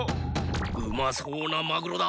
うまそうなマグロだ！